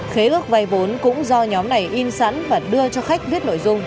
khế ước vay vốn cũng do nhóm này in sẵn và đưa cho khách viết nội dung